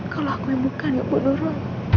kalau aku yang bukan ya pun huru